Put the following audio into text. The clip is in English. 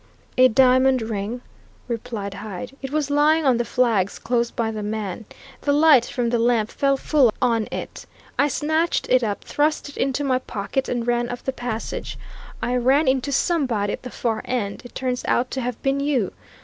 "A diamond ring," replied Hyde. "It was lying on the flags close by the man. The light from the lamp fell full on it. And I snatched it up, thrust it into my pocket and ran up the passage. I ran into somebody at the far end it turns out to have been you.